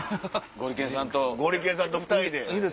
ゴリけんさんと２人で。